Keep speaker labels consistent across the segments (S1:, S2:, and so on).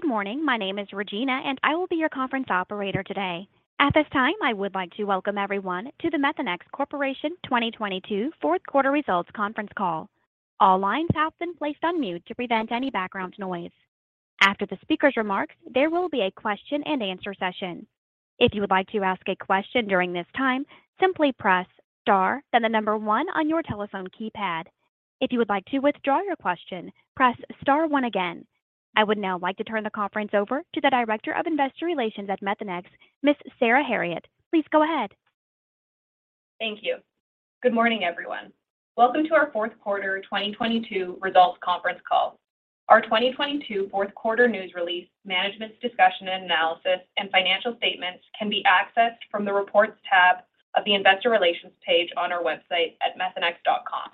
S1: Good morning. My name is Regina, and I will be your conference operator today. At this time, I would like to welcome everyone to the Methanex Corporation 2022 fourth quarter results conference call. All lines have been placed on mute to prevent any background noise. After the speaker's remarks, there will be a question and answer session. If you would like to ask a question during this time, simply press star then the number one on your telephone keypad. If you would like to withdraw your question, press star one again. I would now like to turn the conference over to the Director of Investor Relations at Methanex, Ms. Sarah Herriott. Please go ahead.
S2: Thank you. Good morning, everyone. Welcome to our fourth quarter 2022 results conference call. Our 2022 fourth quarter news release, management's discussion and analysis, and financial statements can be accessed from the Reports tab of the investor relations page on our website at methanex.com.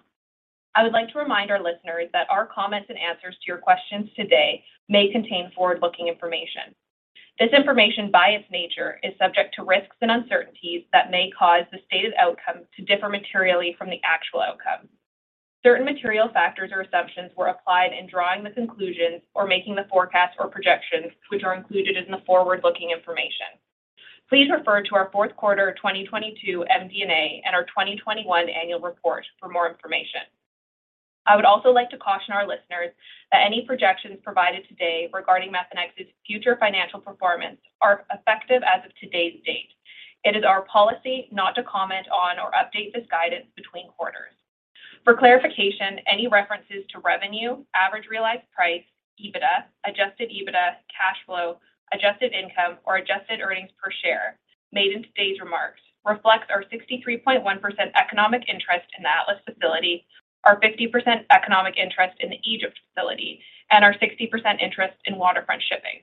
S2: I would like to remind our listeners that our comments and answers to your questions today may contain forward-looking information. This information, by its nature, is subject to risks and uncertainties that may cause the stated outcome to differ materially from the actual outcome. Certain material factors or assumptions were applied in drawing the conclusions or making the forecasts or projections which are included in the forward-looking information. Please refer to our fourth quarter 2022 MD&A and our 2021 annual report for more information. I would also like to caution our listeners that any projections provided today regarding Methanex's future financial performance are effective as of today's date. It is our policy not to comment on or update this guidance between quarters. For clarification, any references to revenue, average realized price, EBITDA, Adjusted EBITDA, cash flow, Adjusted Income, or adjusted earnings per share made in today's remarks reflects our 63.1% economic interest in the Atlas facility, our 50% economic interest in the Egypt facility, and our 60% interest in Waterfront Shipping.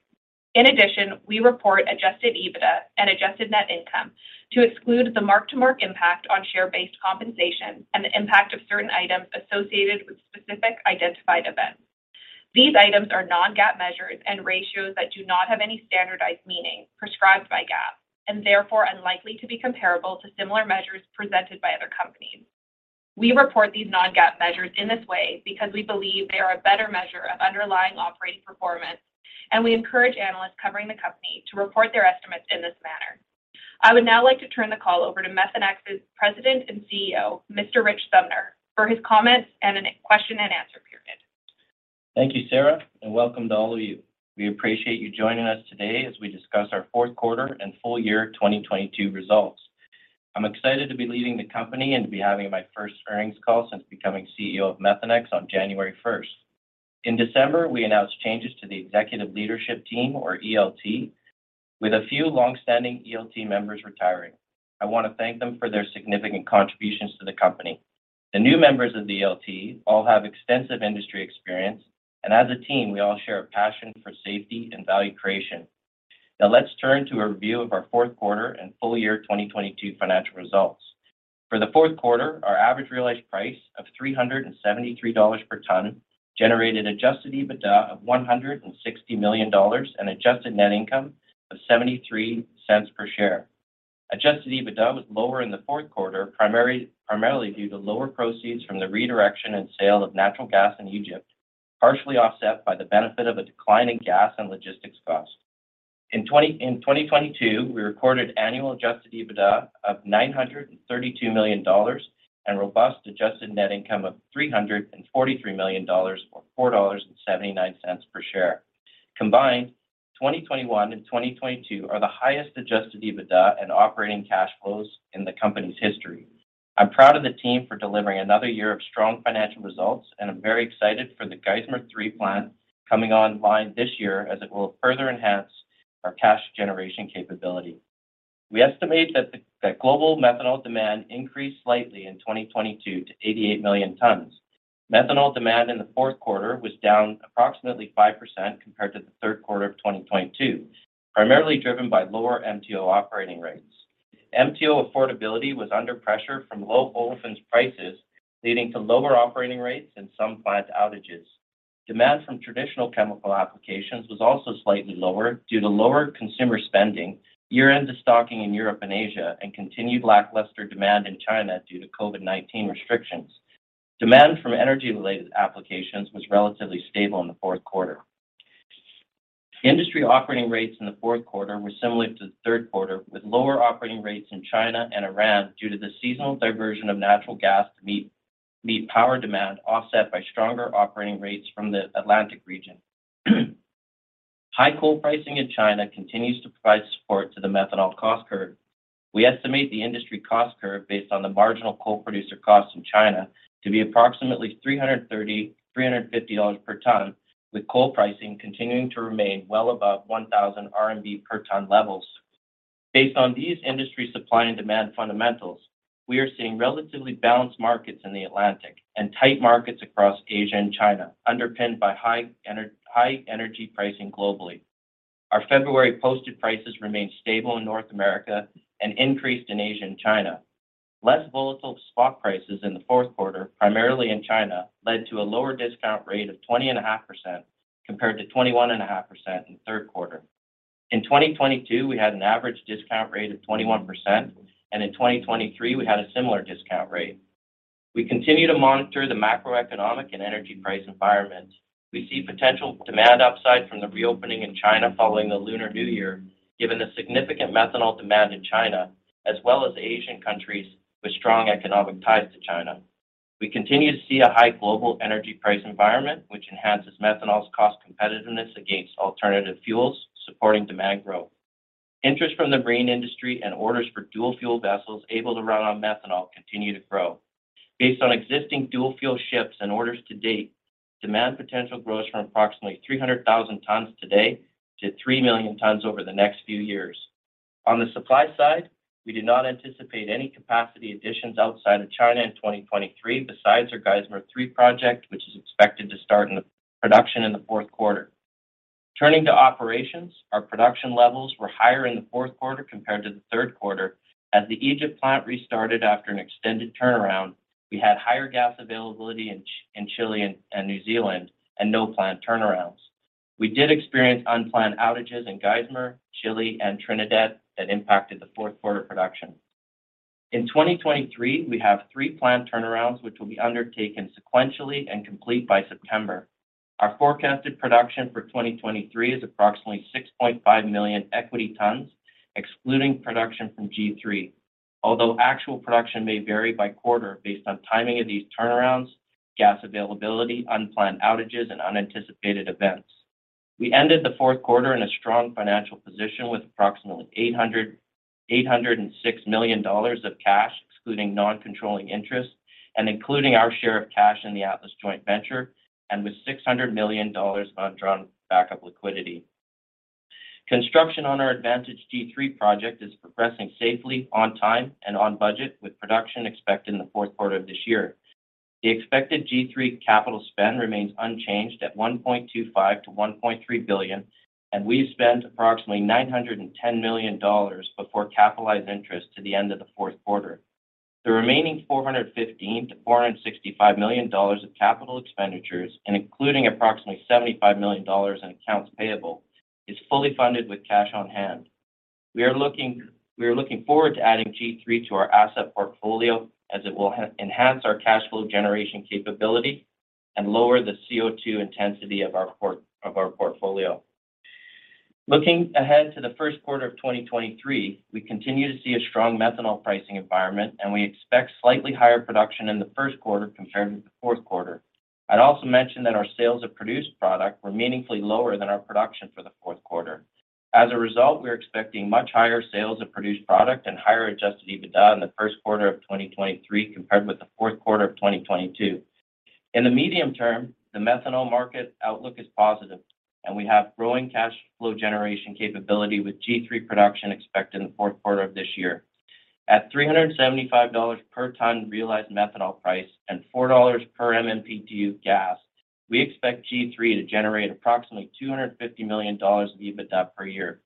S2: In addition, we report Adjusted EBITDA and Adjusted Net Income to exclude the mark-to-market impact on share-based compensation and the impact of certain items associated with specific identified events. These items are non-GAAP measures and ratios that do not have any standardized meaning prescribed by GAAP and therefore unlikely to be comparable to similar measures presented by other companies. We report these non-GAAP measures in this way because we believe they are a better measure of underlying operating performance. We encourage analysts covering the company to report their estimates in this manner. I would now like to turn the call over to Methanex's President and CEO, Mr. Rich Sumner, for his comments and a question and answer period.
S3: Thank you, Sarah, and welcome to all of you. We appreciate you joining us today as we discuss our fourth quarter and full year 2022 results. I'm excited to be leading the company and to be having my first earnings call since becoming CEO of Methanex on January 1st. In December, we announced changes to the executive leadership team or ELT, with a few long-standing ELT members retiring. I want to thank them for their significant contributions to the company. The new members of the ELT all have extensive industry experience, and as a team, we all share a passion for safety and value creation. Now let's turn to a review of our fourth quarter and full year 2022 financial results. For the fourth quarter, our average realized price of $373 per ton generated Adjusted EBITDA of $160 million and Adjusted Net Income of $0.73 per share. Adjusted EBITDA was lower in the fourth quarter, primarily due to lower proceeds from the redirection and sale of natural gas in Egypt, partially offset by the benefit of a decline in gas and logistics costs. In 2022, we recorded annual Adjusted EBITDA of $932 million and robust Adjusted Net Income of $343 million or $4.79 per share. Combined, 2021 and 2022 are the highest Adjusted EBITDA and operating cash flows in the company's history. I'm proud of the team for delivering another year of strong financial results. I'm very excited for the Geismar 3 plant coming online this year as it will further enhance our cash generation capability. We estimate that global methanol demand increased slightly in 2022 to 88 million tons. Methanol demand in the fourth quarter was down approximately 5% compared to the third quarter of 2022, primarily driven by lower MTO operating rates. MTO affordability was under pressure from low olefins prices, leading to lower operating rates and some plant outages. Demand from traditional chemical applications was also slightly lower due to lower consumer spending, year-end stocking in Europe and Asia, and continued lackluster demand in China due to COVID-19 restrictions. Demand from energy-related applications was relatively stable in the fourth quarter. Industry operating rates in the fourth quarter were similar to the third quarter, with lower operating rates in China and Iran due to the seasonal diversion of natural gas to meet power demand offset by stronger operating rates from the Atlantic region. High coal pricing in China continues to provide support to the methanol cost curve. We estimate the industry cost curve based on the marginal coal producer costs in China to be approximately $330-$350 per ton, with coal pricing continuing to remain well above 1,000 RMB per ton levels. Based on these industry supply and demand fundamentals, we are seeing relatively balanced markets in the Atlantic and tight markets across Asia and China, underpinned by high energy pricing globally. Our February posted prices remained stable in North America and increased in Asia and China. Less volatile spot prices in the fourth quarter, primarily in China, led to a lower discount rate of 20.5% compared to 21.5% in the third quarter. In 2022, we had an average discount rate of 21%, and in 2023, we had a similar discount rate. We continue to monitor the macroeconomic and energy price environment. We see potential demand upside from the reopening in China following the Lunar New Year, given the significant methanol demand in China, as well as Asian countries with strong economic ties to China. We continue to see a high global energy price environment, which enhances methanol's cost competitiveness against alternative fuels, supporting demand growth. Interest from the marine industry and orders for dual-fuel vessels able to run on methanol continue to grow. Based on existing dual-fuel ships and orders to date, demand potential grows from approximately 300,000 tons today to 3 million tons over the next few years. On the supply side, we do not anticipate any capacity additions outside of China in 2023 besides our Geismar 3 project, which is expected to start production in the fourth quarter. Turning to operations, our production levels were higher in the fourth quarter compared to the third quarter. As the Egypt plant restarted after an extended turnaround, we had higher gas availability in Chile and New Zealand and no plant turnarounds. We did experience unplanned outages in Geismar, Chile, and Trinidad that impacted the fourth quarter production. In 2023, we have three plant turnarounds which will be undertaken sequentially and complete by September. Our forecasted production for 2023 is approximately 6.5 million equity tons, excluding production from G3, although actual production may vary by quarter based on timing of these turnarounds, gas availability, unplanned outages, and unanticipated events. We ended the fourth quarter in a strong financial position with approximately $806 million of cash, excluding non-controlling interest, and including our share of cash in the Atlas joint venture, and with $600 million undrawn backup liquidity. Construction on our Geismar 3 project is progressing safely, on time, and on budget, with production expected in the fourth quarter of this year. The expected G3 capital spend remains unchanged at $1.25 billion-$1.3 billion, and we've spent approximately $910 million before capitalized interest to the end of the fourth quarter. The remaining $415 million-$465 million of capital expenditures, including approximately $75 million in accounts payable, is fully funded with cash on hand. We are looking forward to adding G3 to our asset portfolio, as it will enhance our cash flow generation capability and lower the carbon intensity of our portfolio. Looking ahead to the first quarter of 2023, we continue to see a strong methanol pricing environment, we expect slightly higher production in the first quarter compared with the fourth quarter. I'd also mention that our sales of produced product were meaningfully lower than our production for the fourth quarter. As a result, we are expecting much higher sales of produced product and higher Adjusted EBITDA in the first quarter of 2023 compared with the fourth quarter of 2022. In the medium term, the methanol market outlook is positive, and we have growing cash flow generation capability, with G3 production expected in the fourth quarter of this year. At $375 per ton realized methanol price and $4 per MMBtu gas, we expect G3 to generate approximately $250 million of EBITDA per year.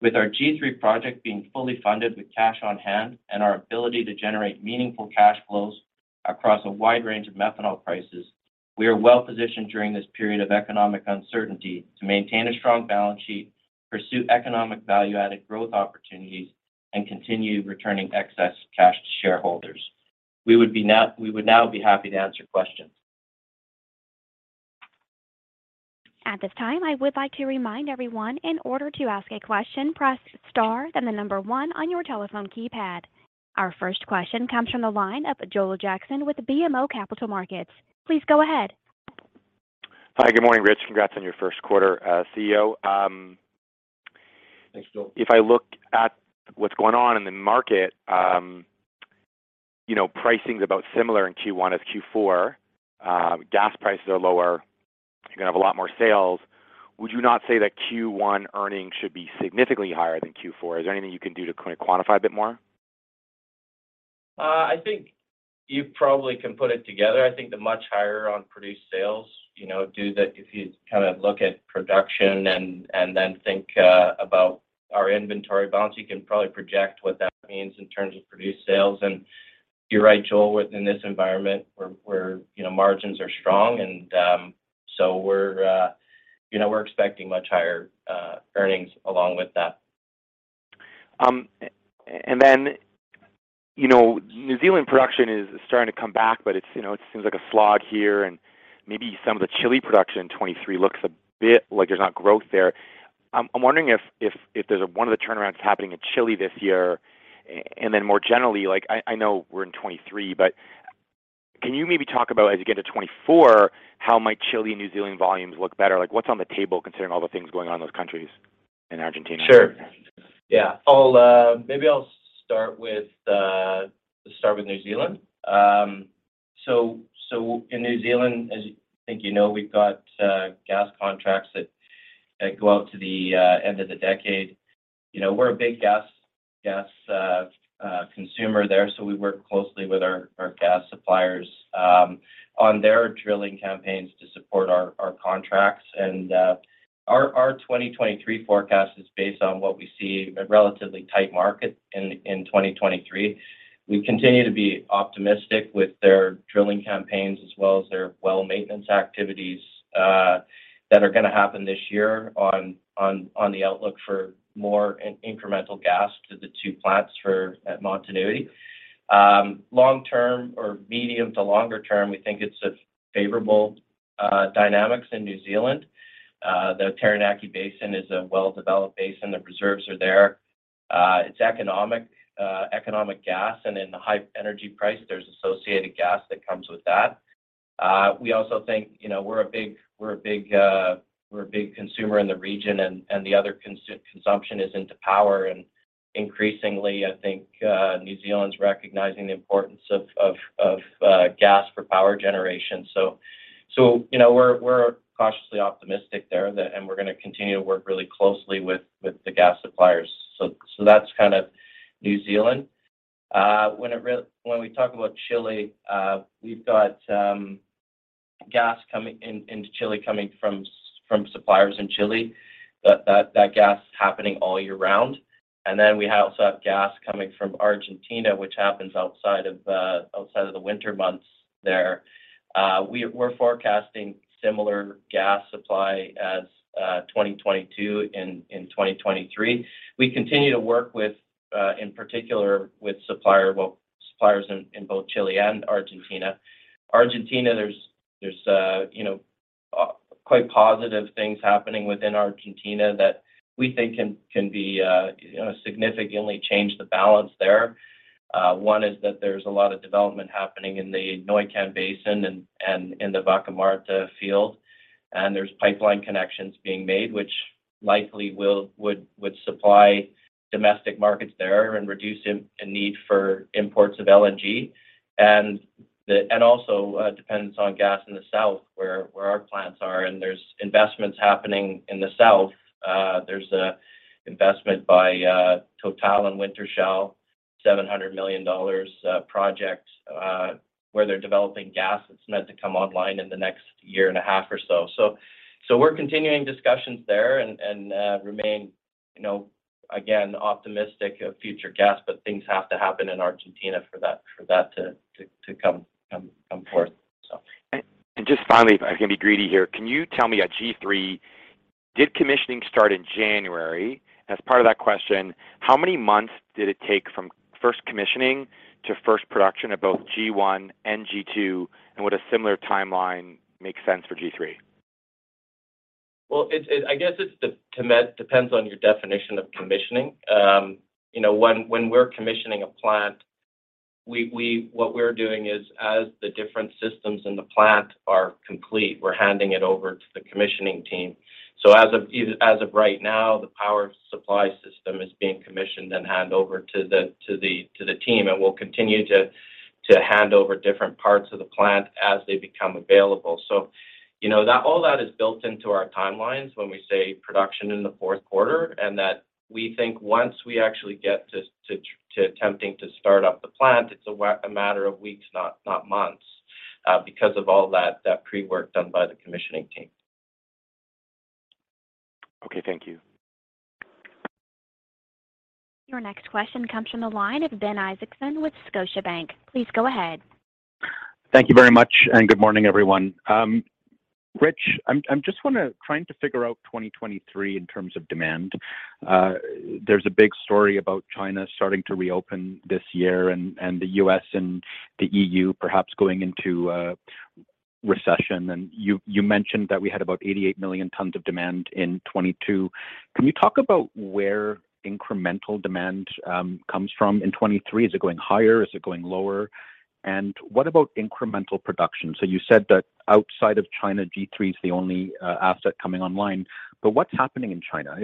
S3: With our G3 project being fully funded with cash on hand and our ability to generate meaningful cash flows across a wide range of methanol prices, we are well-positioned during this period of economic uncertainty to maintain a strong balance sheet, pursue economic value-added growth opportunities, and continue returning excess cash to shareholders. We would now be happy to answer questions.
S1: At this time, I would like to remind everyone, in order to ask a question, press star then the number one on your telephone keypad. Our first question comes from the line of Joel Jackson with BMO Capital Markets. Please go ahead.
S4: Hi. Good morning, Rich. Congrats on your first quarter as CEO.
S3: Thanks, Joel.
S4: If I look at what's going on in the market, you know, pricing's about similar in Q1 as Q4. Gas prices are lower. You're gonna have a lot more sales. Would you not say that Q1 earnings should be significantly higher than Q4? Is there anything you can do to kind of quantify a bit more?
S3: I think you probably can put it together. I think the much higher on produced sales, you know, if you kind of look at production and then think about our inventory balance, you can probably project what that means in terms of produced sales. You're right, Joel. In this environment where, you know, margins are strong, and so we're, you know, we're expecting much higher earnings along with that.
S4: You know, New Zealand production is starting to come back, it's, you know, it seems like a slog here, and maybe some of the Chile production in 2023 looks a bit like there's not growth there. I'm wondering if there's one of the turnarounds happening in Chile this year, and then more generally, like I know we're in 2023, but can you maybe talk about as you get to 2024, how might Chile and New Zealand volumes look better? Like, what's on the table considering all the things going on in those countries, and Argentina?
S3: Sure. Yeah. I'll Maybe I'll start with New Zealand. In New Zealand, as I think you know, we've got gas contracts that go out to the end of the decade. You know, we're a big gas consumer there, we work closely with our gas suppliers on their drilling campaigns to support our contracts. Our 2023 forecast is based on what we see a relatively tight market in 2023. We continue to be optimistic with their drilling campaigns as well as their well maintenance activities. That are gonna happen this year on the outlook for more incremental gas to the two plants at Motunui. Long-term or medium to longer term, we think it's a favorable dynamics in New Zealand. The Taranaki Basin is a well-developed basin. The reserves are there. It's economic gas, and in the high energy price, there's associated gas that comes with that. We also think, you know, we're a big consumer in the region and the other consumption is into power. Increasingly, I think, New Zealand's recognizing the importance of gas for power generation. You know, we're cautiously optimistic there, and we're gonna continue to work really closely with the gas suppliers. That's kind of New Zealand. When we talk about Chile, we've got gas coming in, into Chile coming from suppliers in Chile, but that gas is happening all year round. We also have gas coming from Argentina, which happens outside of the winter months there. We're forecasting similar gas supply as 2022 and in 2023. We continue to work with in particular with suppliers in both Chile and Argentina. Argentina, there's, you know, quite positive things happening within Argentina that we think can be, you know, significantly change the balance there. One is that there's a lot of development happening in the Neuquén Basin and in the Vaca Muerta field. There's pipeline connections being made, which likely would supply domestic markets there and reduce a need for imports of LNG. Dependence on gas in the south where our plants are. There's investments happening in the south. There's a investment by Total and Wintershall, a $700 million project, where they're developing gas that's meant to come online in the next year and a half or so. We're continuing discussions there and remain, you know, again, optimistic of future gas. Things have to happen in Argentina for that to come forth.
S4: Just finally, if I can be greedy here. Can you tell me at G3, did commissioning start in January? As part of that question, how many months did it take from first commissioning to first production at both G1 and G2? Would a similar timeline make sense for G3?
S3: I guess it depends on your definition of commissioning. You know, when we're commissioning a plant, what we're doing is as the different systems in the plant are complete, we're handing it over to the commissioning team. As of right now, the power supply system is being commissioned and handed over to the team. We'll continue to hand over different parts of the plant as they become available. You know, all that is built into our timelines when we say production in the fourth quarter, and that we think once we actually get to attempting to start up the plant, it's a matter of weeks, not months, because of all that pre-work done by the commissioning team.
S4: Okay. Thank you.
S1: Your next question comes from the line of Ben Isaacson with Scotiabank. Please go ahead.
S5: Thank you very much. Good morning, everyone. Rich, I'm just trying to figure out 2023 in terms of demand. There's a big story about China starting to reopen this year and the U.S. and the EU perhaps going into recession. You mentioned that we had about 88 million tons of demand in 2022. Can you talk about where incremental demand comes from in 2023? Is it going higher? Is it going lower? What about incremental production? You said that outside of China, G3 is the only asset coming online. What's happening in China?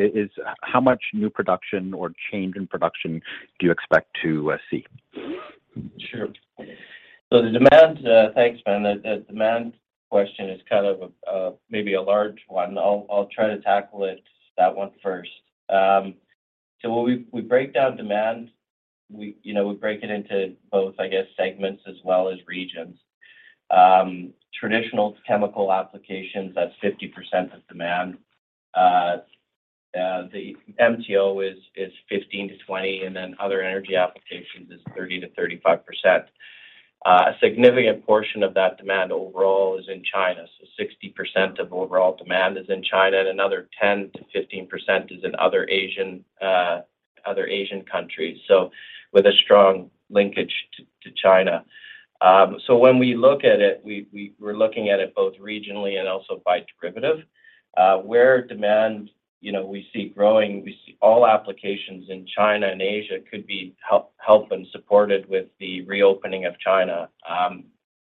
S5: How much new production or change in production do you expect to see?
S3: Sure. Thanks, Ben. The demand question is kind of maybe a large one. I'll try to tackle it, that one first. When we break down demand, we, you know, we break it into both, I guess, segments as well as regions. Traditional chemical applications, that's 50% of demand. The MTO is 15%-20%, and then other energy applications is 30%-35%. A significant portion of that demand overall is in China. 60% of overall demand is in China, and another 10%-15% is in other Asian countries, so with a strong linkage to China. When we look at it, we're looking at it both regionally and also by derivative. Where demand, you know, we see growing, we see all applications in China and Asia could be help and supported with the reopening of China.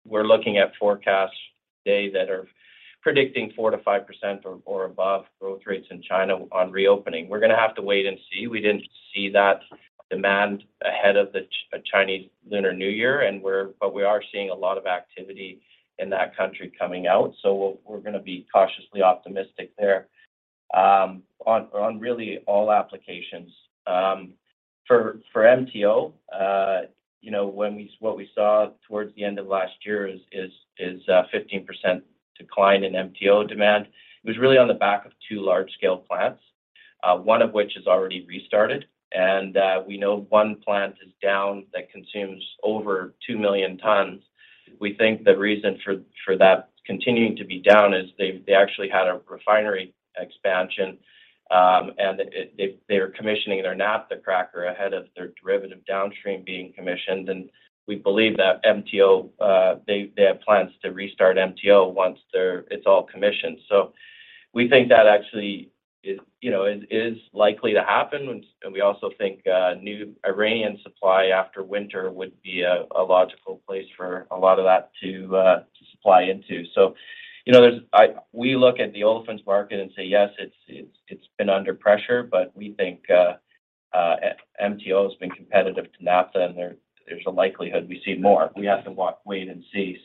S3: We're looking at forecasts today that are predicting 4%-5% or above growth rates in China on reopening. We're gonna have to wait and see. We didn't see that demand ahead of the Chinese Lunar New Year, but we are seeing a lot of activity in that country coming out. We're, we're gonna be cautiously optimistic there, on really all applications. For MTO, you know, what we saw towards the end of last year is a 15% decline in MTO demand. It was really on the back of two large-scale plants. One of which is already restarted, we know one plant is down that consumes over 2 million tons. We think the reason for that continuing to be down is they actually had a refinery expansion, and they're commissioning their naphtha cracker ahead of their derivative downstream being commissioned. We believe that MTO, they have plans to restart MTO once it's all commissioned. We think that actually is, you know, likely to happen. We also think new Iranian supply after winter would be a logical place for a lot of that to supply into. You know, there's... We look at the olefins market and say, "Yes, it's been under pressure." We think MTO has been competitive to naphtha, and there's a likelihood we see more. We have to wait and see.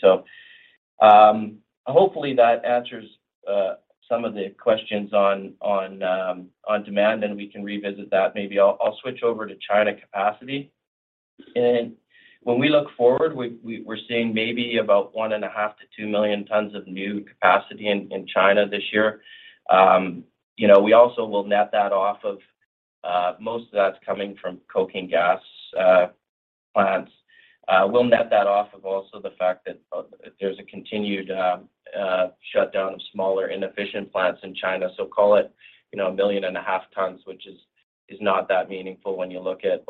S3: Hopefully that answers some of the questions on demand, and we can revisit that. Maybe I'll switch over to China capacity. When we look forward, we're seeing maybe about 1.5 million-2 million tons of new capacity in China this year. You know, we also will net that off of most of that's coming from coking gas plants. We'll net that off of also the fact that there's a continued shutdown of smaller inefficient plants in China. Call it, you know, 1.5 million tons, which is not that meaningful when you look at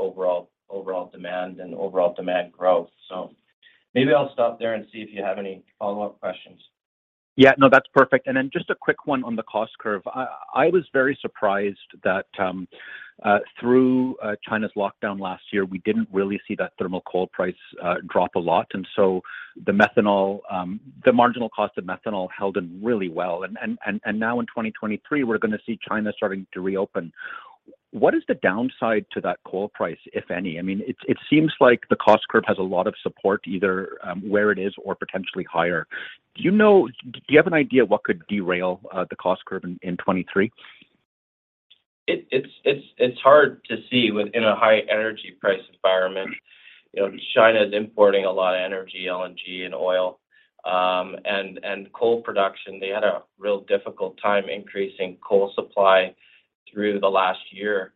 S3: overall demand and overall demand growth. Maybe I'll stop there and see if you have any follow-up questions.
S5: Yeah, no, that's perfect. Then just a quick one on the cost curve. I was very surprised that through China's lockdown last year, we didn't really see that thermal coal price drop a lot. So the methanol, the marginal cost of methanol held in really well. Now in 2023, we're gonna see China starting to reopen. What is the downside to that coal price, if any? I mean, it seems like the cost curve has a lot of support either where it is or potentially higher. Do you have an idea what could derail the cost curve in 2023?
S3: It's hard to see within a high energy price environment. You know, China is importing a lot of energy, LNG and oil. Coal production, they had a real difficult time increasing coal supply through the last year.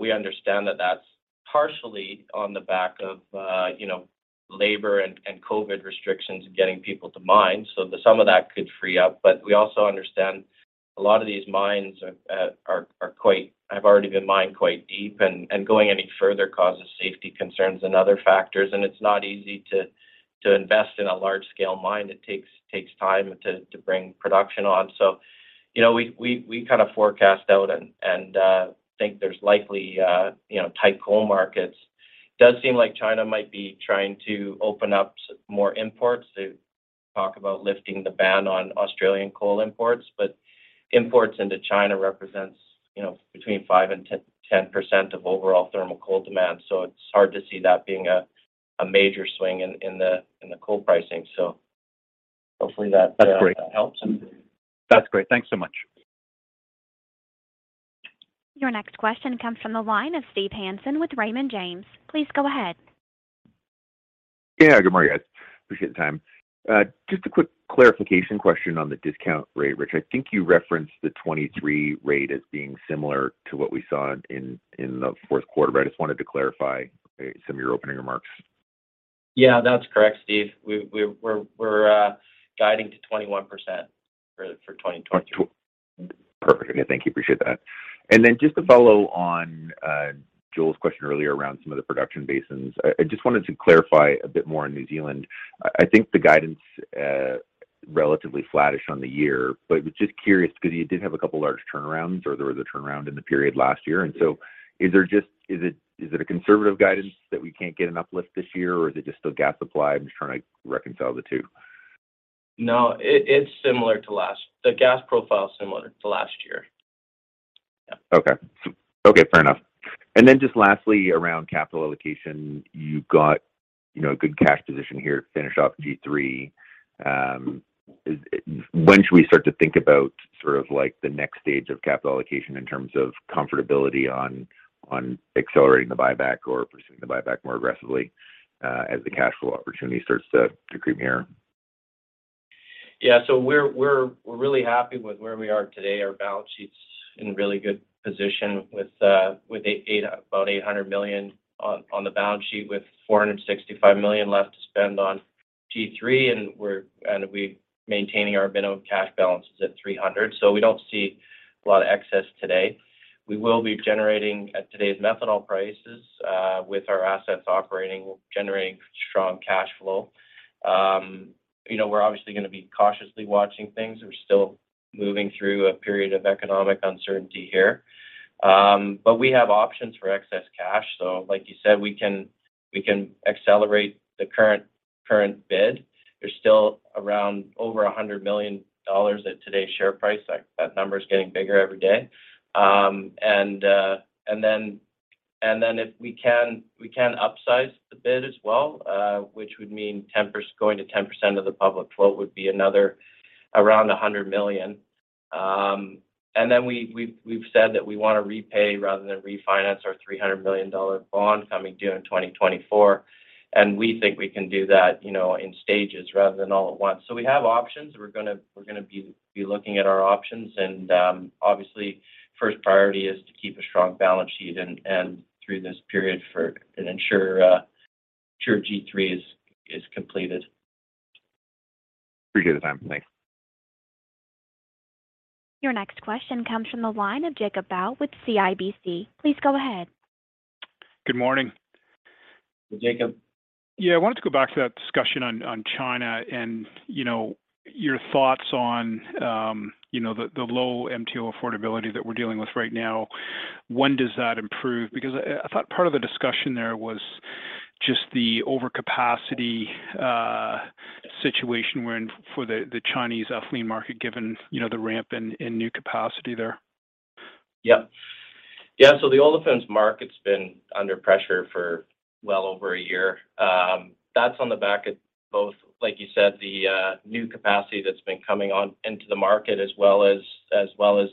S3: We understand that that's partially on the back of, you know, labor and COVID restrictions in getting people to mine. Some of that could free up. We also understand a lot of these mines are have already been mined quite deep, and going any further causes safety concerns and other factors. It's not easy to invest in a large scale mine. It takes time to bring production on. You know, we kind of forecast out and think there's likely, you know, tight coal markets. It does seem like China might be trying to open up more imports. They talk about lifting the ban on Australian coal imports, but imports into China represents, you know, between 5% and 10% of overall thermal coal demand. It's hard to see that being a major swing in the coal pricing. Hopefully that helps.
S5: That's great. That's great. Thanks so much.
S1: Your next question comes from the line of Steve Hansen with Raymond James. Please go ahead.
S6: Yeah. Good morning, guys. Appreciate the time. Just a quick clarification question on the discount rate. Rich, I think you referenced the 23 rate as being similar to what we saw in the fourth quarter. I just wanted to clarify some of your opening remarks.
S3: Yeah. That's correct, Steve. We're guiding to 21% for 2023.
S6: Perfect. Okay. Thank you. Appreciate that. Then just to follow on, Joel's question earlier around some of the production basins. I just wanted to clarify a bit more on New Zealand. I think the guidance, relatively flattish on the year, but was just curious because you did have a couple large turnarounds or there was a turnaround in the period last year. Is it a conservative guidance that we can't get an uplift this year, or is it just still gas supply? I'm just trying to reconcile the two.
S3: No, it's similar to last. The gas profile is similar to last year. Yeah.
S6: Okay. Okay, fair enough. Just lastly, around capital allocation, you've got, you know, a good cash position here to finish off Q3. When should we start to think about sort of like the next stage of capital allocation in terms of comfortability on accelerating the buyback or pursuing the buyback more aggressively, as the cash flow opportunity starts to creep in here?
S3: Yeah. We're really happy with where we are today. Our balance sheet's in really good position with about $800 million on the balance sheet, with $465 million left to spend on Q3. We're maintaining our minimum cash balances at $300 million. We don't see a lot of excess today. We will be generating at today's methanol prices, with our assets operating, generating strong cash flow. You know, we're obviously gonna be cautiously watching things. We're still moving through a period of economic uncertainty here. But we have options for excess cash. Like you said, we can accelerate the current bid. There's still around over $100 million at today's share price. That number is getting bigger every day. If we can upsize the bid as well, which would mean going to 10% of the public float would be another around $100 million. We've said that we wanna repay rather than refinance our $300 million bond coming due in 2024. We think we can do that, you know, in stages rather than all at once. We have options. We're gonna be looking at our options. Obviously, first priority is to keep a strong balance sheet and through this period and ensure G3 is completed.
S6: Appreciate the time. Thanks.
S1: Your next question comes from the line of Jacob Bout with CIBC. Please go ahead.
S7: Good morning.
S3: Jacob.
S7: Yeah. I wanted to go back to that discussion on China and, you know, your thoughts on, you know, the low MTO affordability that we're dealing with right now. When does that improve? I thought part of the discussion there was just the overcapacity situation we're in for the Chinese merchant market, given, you know, the ramp in new capacity there.
S3: Yeah. The olefins market's been under pressure for well over a year. That's on the back of both, like you said, the new capacity that's been coming on into the market as well as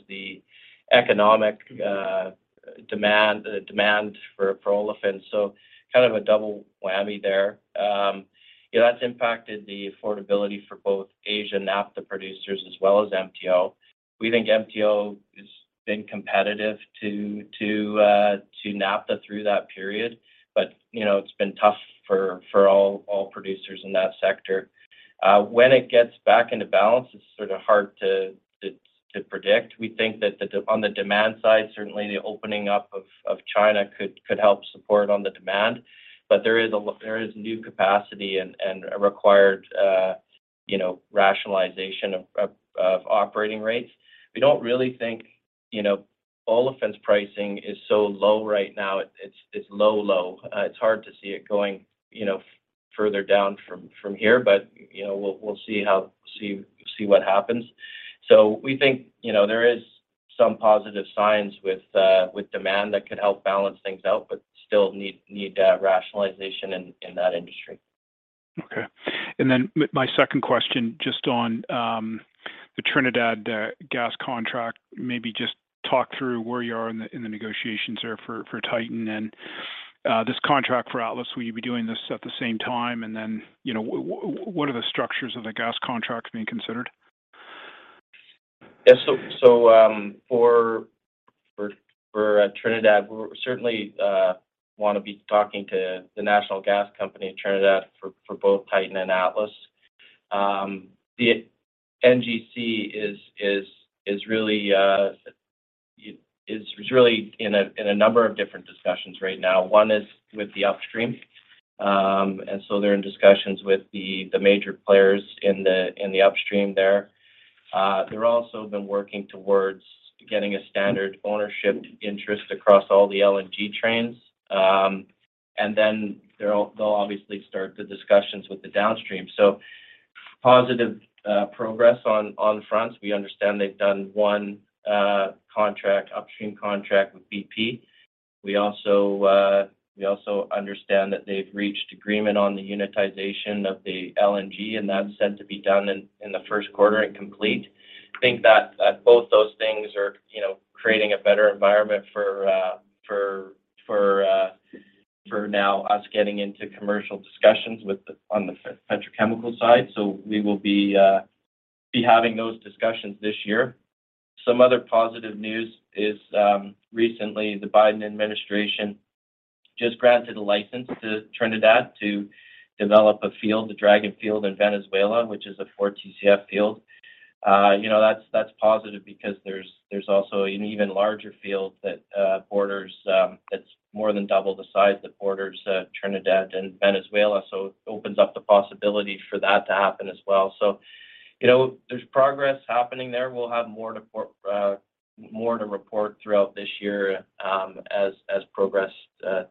S3: the economic demand for olefins. Kind of a double whammy there. You know, that's impacted the affordability for both Asia, naphtha producers as well as MTO. We think MTO has been competitive to naphtha through that period. You know, it's been tough for all producers in that sector. When it gets back into balance, it's sort of hard to predict. We think that on the demand side, certainly the opening up of China could help support on the demand. There is new capacity and a required, you know, rationalization of operating rates. We don't really think, you know, olefins pricing is so low right now. It's low, low. It's hard to see it going, you know, further down from here. You know, we'll see what happens. We think, you know, there is some positive signs with demand that could help balance things out, but still need that rationalization in that industry.
S7: Okay. My second question just on the Trinidad gas contract. Maybe just talk through where you are in the negotiations there for Titan and this contract for Atlas. Will you be doing this at the same time? You know, what are the structures of the gas contracts being considered?
S3: Yeah. For Trinidad, we certainly wanna be talking to the National Gas Company in Trinidad for both Titan and Atlas. The NGC is really in a number of different discussions right now. One is with the upstream. They're in discussions with the major players in the upstream there. They're also been working towards getting a standard ownership interest across all the LNG trains. Then they'll obviously start the discussions with the downstream. Positive progress on fronts. We understand they've done one upstream contract with BP. We also understand that they've reached agreement on the unitization of the LNG, and that's set to be done in the first quarter and complete. Think that both those things are, you know, creating a better environment for now us getting into commercial discussions on the petrochemical side. We will be having those discussions this year. Some other positive news is, recently the Biden administration just granted a license to Trinidad to develop a field, the Dragon Field in Venezuela, which is a 4 TCF field. You know, that's positive because there's also an even larger field that borders, that's more than double the size that borders Trinidad and Venezuela. It opens up the possibility for that to happen as well. You know, there's progress happening there. We'll have more to report throughout this year, as progress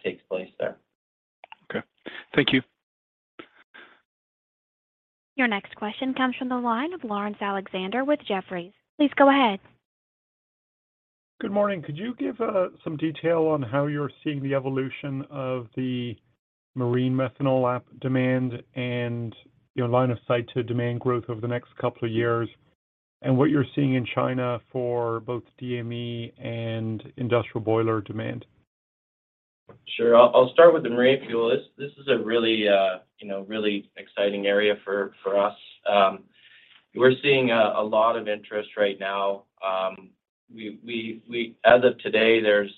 S3: takes place there.
S7: Okay. Thank you.
S1: Your next question comes from the line of Laurence Alexander with Jefferies. Please go ahead.
S8: Good morning. Could you give some detail on how you're seeing the evolution of the marine methanol demand and your line of sight to demand growth over the next couple of years and what you're seeing in China for both DME and industrial boiler demand?
S3: Sure. I'll start with the marine fuel. This is a really, you know, really exciting area for us. We're seeing a lot of interest right now. We as of today, there's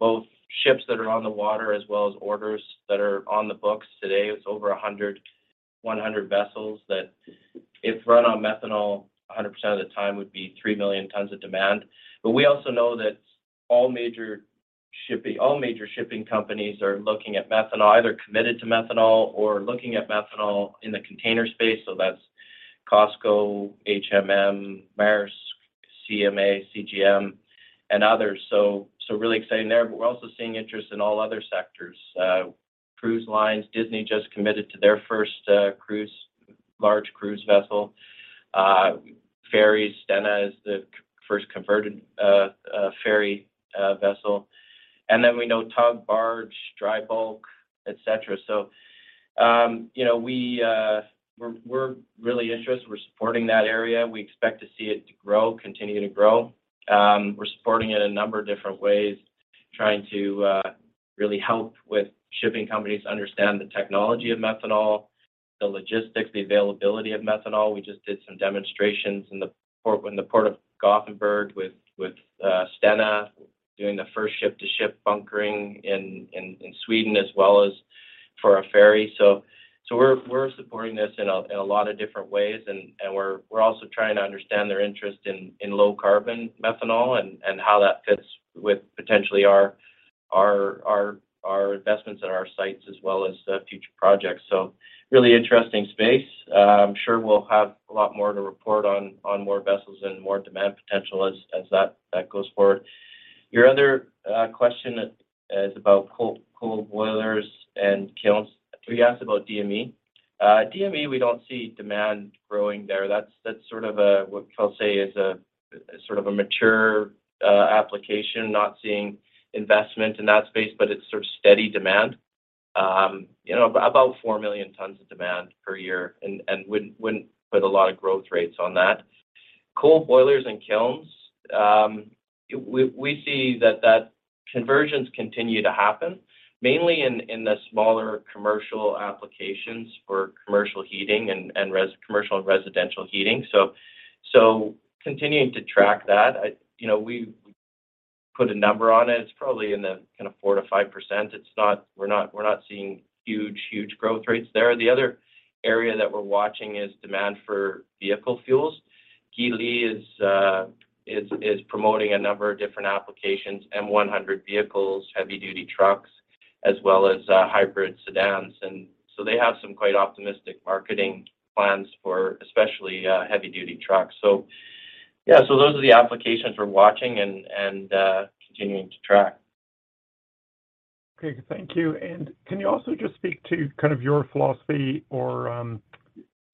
S3: both ships that are on the water as well as orders that are on the books today. It's over 100 vessels. That if run on methanol 100% of the time would be 3 million tons of demand. We also know that all major shipping companies are looking at methanol, either committed to methanol or looking at methanol in the container space. That's Costco, HMM, Maersk, CMA CGM and others. Really exciting there. We're also seeing interest in all other sectors, cruise lines. Disney just committed to their first large cruise vessel. Ferries, Stena is the first converted ferry vessel, and then we know tug, barge, dry bulk, etc. You know, we're really interested. We're supporting that area. We expect to see it grow, continue to grow. We're supporting it a number of different ways, trying to really help with shipping companies understand the technology of methanol. The logistics, the availability of methanol. We just did some demonstrations in the port of Gothenburg with Stena doing the first ship-to-ship bunkering in Sweden as well as for a ferry. We're supporting this in a lot of different ways. We're also trying to understand their interest in low carbon methanol and how that fits with potentially our investments at our sites as well as future projects. Really interesting space. I'm sure we'll have a lot more to report on more vessels and more demand potential as that goes forward. Your other question is about coal boilers and kilns. You asked about DME. DME, we don't see demand growing there. That's sort of a, what I'll say is a, sort of a mature application, not seeing investment in that space. It's sort of steady demand. you know, about 4 million tons of demand per year and wouldn't put a lot of growth rates on that. Coal boilers and kilns, we see that conversions continue to happen mainly in the smaller commercial applications for commercial heating and commercial and residential heating. Continuing to track that. You know, we've put a number on it. It's probably in the kind of 4% to 5%. It's not, we're not seeing huge growth rates there. The other area that we're watching is demand for vehicle fuels. Geely is promoting a number of different applications, M100 vehicles, heavy duty trucks, as well as hybrid sedans. They have some quite optimistic marketing plans for especially heavy duty trucks. Yeah. Those are the applications we're watching and continuing to track.
S8: Okay. Thank you. Can you also just speak to kind of your philosophy or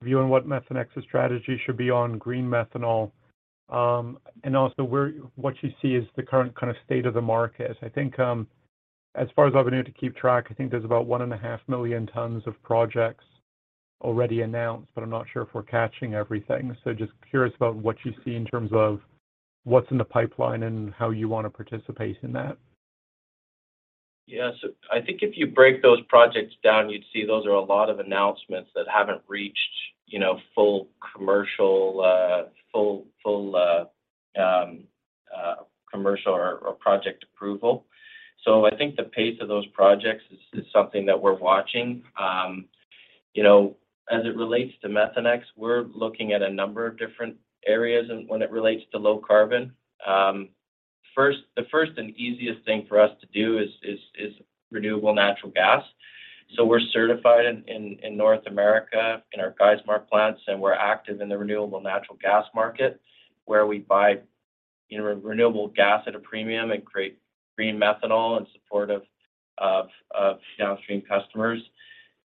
S8: view on what Methanex's strategy should be on green methanol? Also what you see as the current kind of state of the market. I think as far as I've been able to keep track, I think there's about 1.5 million tons of projects already announced, but I'm not sure if we're catching everything. Just curious about what you see in terms of what's in the pipeline and how you wanna participate in that.
S3: I think if you break those projects down, you'd see those are a lot of announcements that haven't reached, you know, full commercial or project approval. I think the pace of those projects is something that we're watching. You know, as it relates to Methanex, we're looking at a number of different areas and when it relates to low carbon. First, the first and easiest thing for us to do is renewable natural gas. We're certified in North America in our Geismar plants, and we're active in the renewable natural gas market where we buy, you know, renewable gas at a premium and create green methanol in support of downstream customers.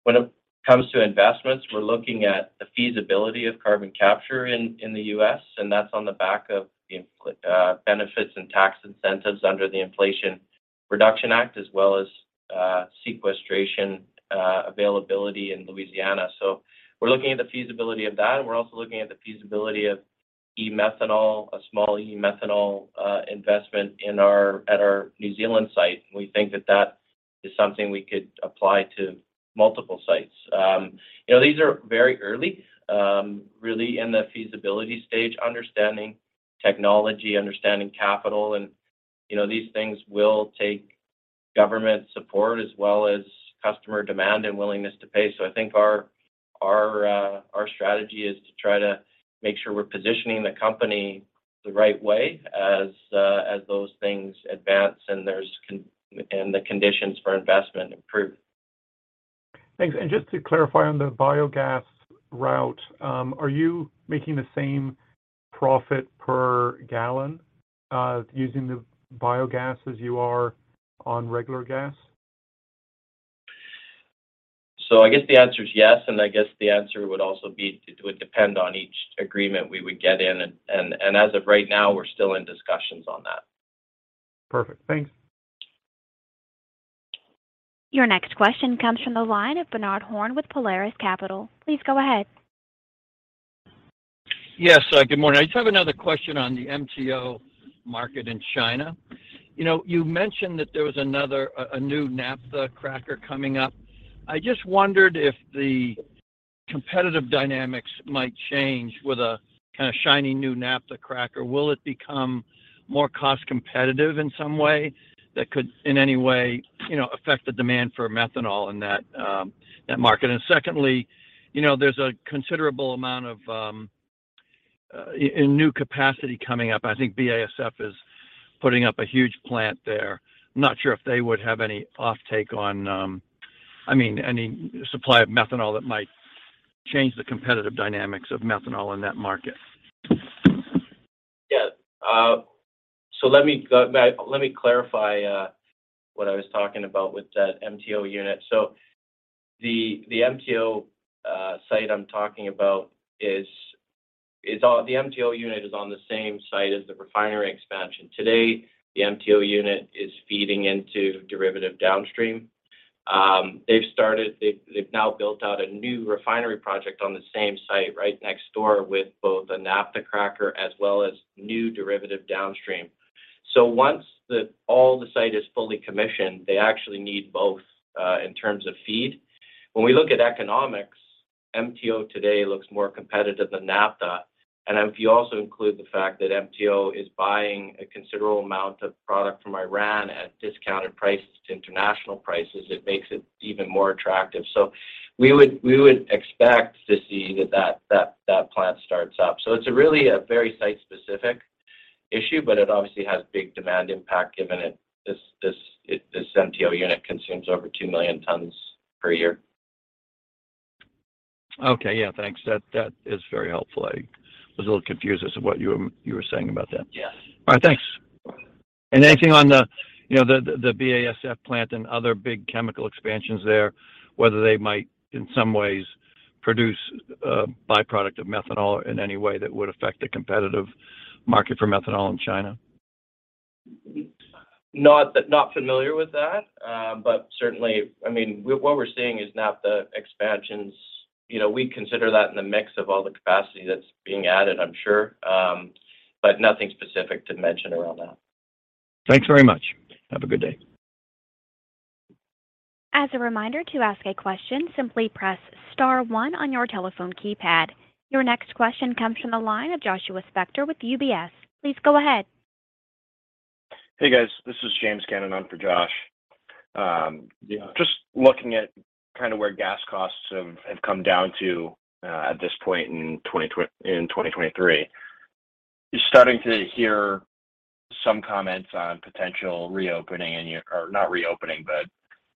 S3: When it comes to investments, we're looking at the feasibility of carbon capture in the U.S., and that's on the back of the benefits and tax incentives under the Inflation Reduction Act, as well as sequestration availability in Louisiana. We're looking at the feasibility of that, and we're also looking at the feasibility of e-methanol, a small e-methanol investment at our New Zealand site. We think that that is something we could apply to multiple sites. You know, these are very early, really in the feasibility stage, understanding technology, understanding capital, and, you know, these things will take government support as well as customer demand and willingness to pay. I think our strategy is to try to make sure we're positioning the company the right way as those things advance and the conditions for investment improve.
S8: Thanks. Just to clarify on the biogas route, are you making the same profit per gallon, using the biogas as you are on regular gas?
S3: I guess the answer is yes, and I guess the answer would also be it would depend on each agreement we would get in. As of right now, we're still in discussions on that.
S8: Perfect. Thanks.
S1: Your next question comes from the line of Bernard Horn with Polaris Capital. Please go ahead.
S9: Yes. Good morning. I just have another question on the MTO market in China. You know, you mentioned that there was another new naphtha cracker coming up. I just wondered if the competitive dynamics might change with a kind of shiny new naphtha cracker. Will it become more cost competitive in some way that could in any way, you know, affect the demand for methanol in that market? Secondly, you know, there's a considerable amount of new capacity coming up. I think BASF is putting up a huge plant there. I'm not sure if they would have any offtake on, I mean, any supply of methanol that might change the competitive dynamics of methanol in that market.
S3: Let me go back. Let me clarify what I was talking about with that MTO unit. The MTO site I'm talking about is on the same site as the refinery expansion. Today, the MTO unit is feeding into derivative downstream. They've now built out a new refinery project on the same site right next door with both a naphtha cracker as well as new derivative downstream. Once all the site is fully commissioned, they actually need both in terms of feed. When we look at economics, MTO today looks more competitive than naphtha. If you also include the fact that MTO is buying a considerable amount of product from Iran at discounted prices to international prices, it makes it even more attractive. We would expect to see that plant starts up. It's really a very site-specific issue, but it obviously has big demand impact given this MTO unit consumes over 2 million tons per year.
S9: Okay. Yeah, thanks. That is very helpful. I was a little confused as to what you were saying about that.
S3: Yes.
S9: All right, thanks. Anything on the, you know, the BASF plant and other big chemical expansions there, whether they might, in some ways, produce a by-product of methanol in any way that would affect the competitive market for methanol in China?
S3: Not familiar with that. Certainly. I mean, what we're seeing is naphtha expansions. You know, we consider that in the mix of all the capacity that's being added, I'm sure. Nothing specific to mention around that.
S9: Thanks very much. Have a good day.
S1: As a reminder, to ask a question, simply press star one on your telephone keypad. Your next question comes from the line of Joshua Spector with UBS. Please go ahead.
S10: Hey, guys. This is James on for Josh.
S3: Yeah.
S10: Just looking at kind of where gas costs have come down to, at this point in 2023. You're starting to hear some comments on potential not reopening, but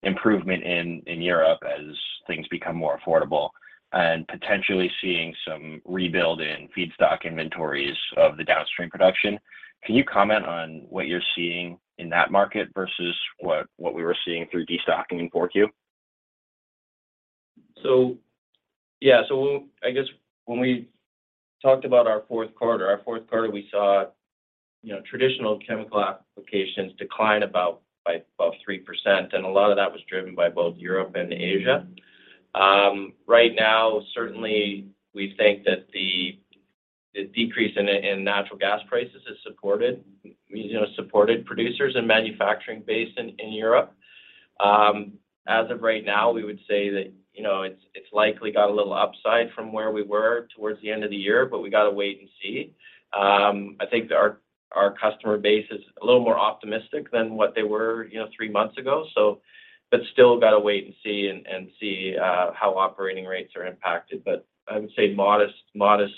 S10: improvement in Europe as things become more affordable and potentially seeing some rebuild in feedstock inventories of the downstream production. Can you comment on what you're seeing in that market versus what we were seeing through destocking in 4Q?
S3: Yeah. I guess when we talked about our fourth quarter, we saw, you know, traditional chemical applications decline about by above 3%, and a lot of that was driven by both Europe and Asia. Right now, certainly, we think that the decrease in natural gas prices has supported, you know, producers and manufacturing base in Europe. As of right now, we would say that, you know, it's likely got a little upside from where we were towards the end of the year, but we got to wait and see. I think our customer base is a little more optimistic than what they were, you know, three months ago. But still got to wait and see, and see how operating rates are impacted. I would say modest, modest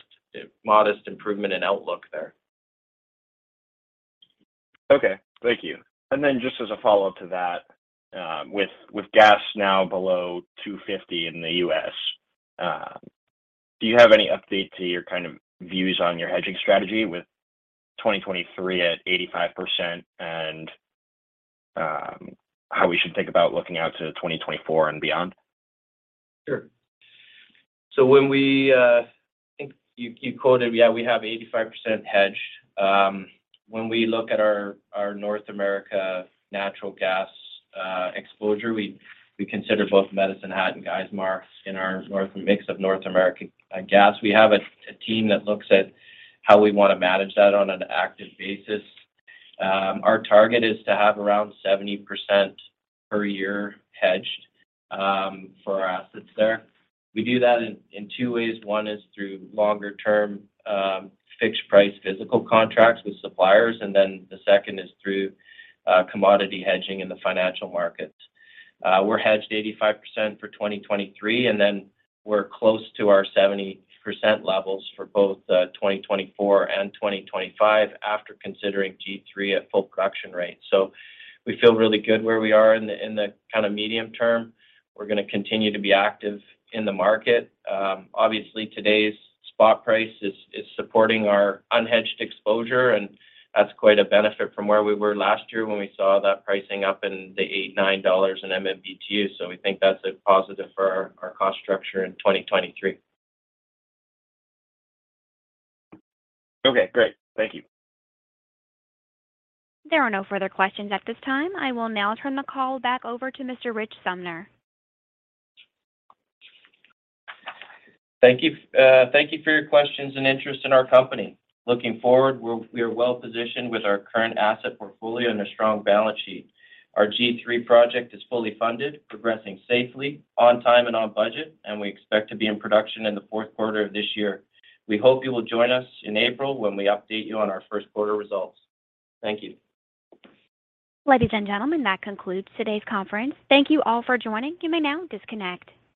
S3: improvement in outlook there.
S10: Okay. Thank you. Then just as a follow-up to that, with gas now below $2.50 in the U.S., do you have any update to your kind of views on your hedging strategy with 2023 at 85% and how we should think about looking out to 2024 and beyond?
S3: Sure. When we, I think you quoted, yeah, we have 85% hedged. When we look at our North America natural gas exposure, we consider both Medicine Hat and Geismar in our mix of North American gas. We have a team that looks at how we wanna manage that on an active basis. Our target is to have around 70% per year hedged for our assets there. We do that in two ways. One is through longer-term fixed price physical contracts with suppliers, and then the second is through commodity hedging in the financial markets. We're hedged 85% for 2023, and then we're close to our 70% levels for both 2024 and 2025 after considering G3 at full production rate. We feel really good where we are in the, in the kind of medium term. We're gonna continue to be active in the market. Obviously, today's spot price is supporting our unhedged exposure, and that's quite a benefit from where we were last year when we saw that pricing up in the $8, $9 in MMBtu. We think that's a positive for our cost structure in 2023.
S10: Okay, great. Thank you.
S1: There are no further questions at this time. I will now turn the call back over to Mr. Rich Sumner.
S3: Thank you. Thank you for your questions and interest in our company. Looking forward, we are well-positioned with our current asset portfolio and a strong balance sheet. Our G3 project is fully funded, progressing safely, on time and on budget, and we expect to be in production in the fourth quarter of this year. We hope you will join us in April when we update you on our first quarter results. Thank you.
S1: Ladies and gentlemen, that concludes today's conference. Thank you all for joining. You may now disconnect.